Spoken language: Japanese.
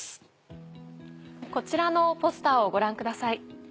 こちらのポスターをご覧ください。